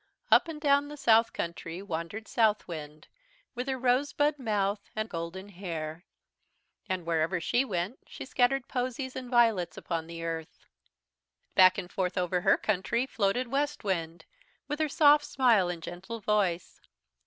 "Up and down the south country wandered Southwind, with her rosebud mouth and golden hair. And wherever she went she scattered posies and violets upon the earth. "Back and forth over her country floated Westwind with her soft smile and gentle voice.